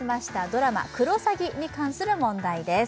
ドラマ「クロサギ」に関する問題です